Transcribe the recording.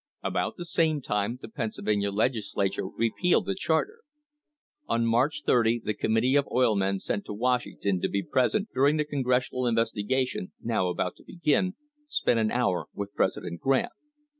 About the same time the Pennsylvania Legislature repealed the charter. On March 30 the committee of oil men sent to Washington to be present during the Congressional Investiga tion, now about to begin, spent an hour with President Grant.